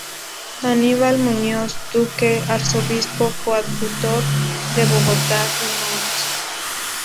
Aníbal Muñoz Duque, Arzobispo Coadjutor de Bogotá y Mons.